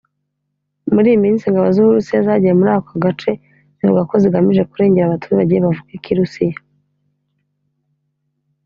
muri iyi minsi ingabo z’u Burusiya zagiye muri aka gace zivuga ko zigamije kurengera abaturage bavuga Ikirusiya